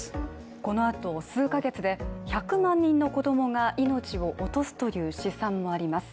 このあと数ヶ月で１００万人の子供が命を落とすという試算もあります。